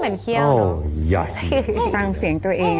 มันเคี่ยวเนอะสั่งเสียงตัวเองอ่ะนะ